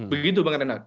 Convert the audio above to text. begitu bang renang